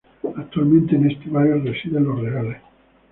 Actualmente en este barrio residen los reales.